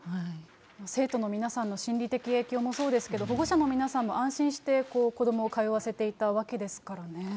生徒の皆さんの心理的影響もそうですけど、保護者の皆さんも安心して子どもを通わせていたわけですからね。